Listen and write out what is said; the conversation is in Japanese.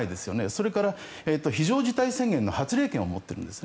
それから非常事態宣言の発令権を持っています。